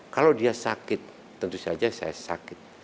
kalau dia sakit tentu saja saya sakit